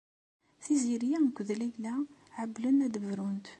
Tiziri akked Layla ɛewwlen ad brunt.